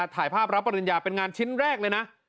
ถ่ายภาพรับปริญญาเป็นงานชิ้นแรกเลยนะ